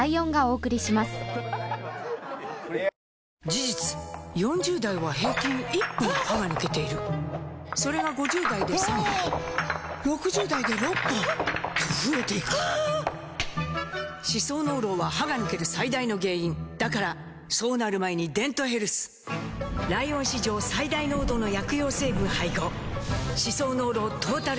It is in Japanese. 事実４０代は平均１本歯が抜けているそれが５０代で３本６０代で６本と増えていく歯槽膿漏は歯が抜ける最大の原因だからそうなる前に「デントヘルス」ライオン史上最大濃度の薬用成分配合歯槽膿漏トータルケア！